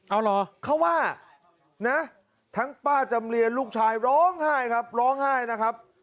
เอาเหรอเขาว่านะทั้งป้าจำเรียนลูกชายร้องไห้ครับร้องไห้นะครับ